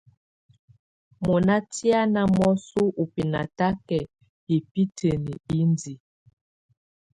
Mɔ́ná tɛ̀á ná mɔsɔ ú bɛ́natakɛ hibǝ́tǝ́ni indiǝ.